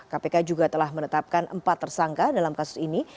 kpk juga telah menetapkan empat tersangka dalam kasus ini